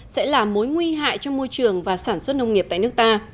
sẽ là mối nguy hại cho môi trường và sản xuất nông nghiệp tại nước ta